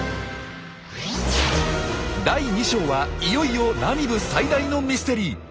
第２章はいよいよナミブ最大のミステリー！